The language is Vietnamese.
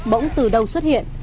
bỗng từ đầu xuất hiện